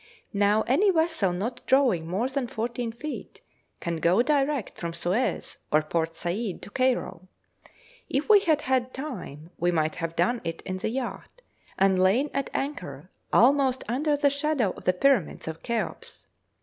Now any vessel not drawing more than fourteen feet can go direct from Suez or Port Said to Cairo. If we had had time, we might have done it in the yacht, and lain at anchor almost under the shadow of the Pyramids of Cheops.